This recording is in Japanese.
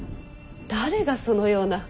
誰がそのような。